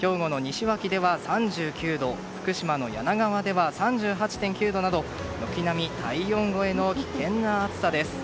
兵庫の西脇では３９度福島の梁川では３８．９度など軒並み体温超えの危険な暑さです。